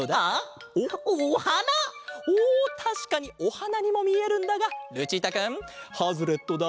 おおたしかにおはなにもみえるんだがルチータくんハズレットだ！